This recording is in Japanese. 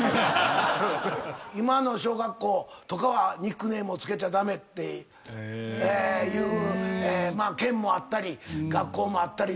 今の小学校とかはニックネームを付けちゃ駄目っていう県もあったり学校もあったりで。